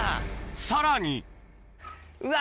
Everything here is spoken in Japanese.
さらにうわ。